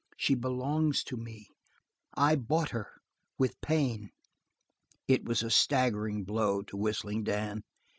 She belongs to me, I bought her with pain." It was a staggering blow to Whistling Dan.